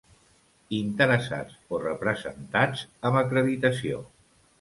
Interessats o representats amb acreditació.